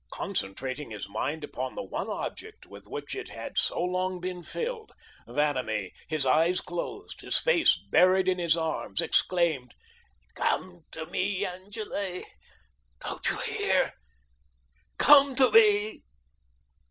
Concentrating his mind upon the one object with which it had so long been filled, Vanamee, his eyes closed, his face buried in his arms, exclaimed: "Come to me Angele don't you hear? Come to me."